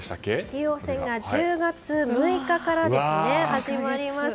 竜王戦は１０月６日から始まります。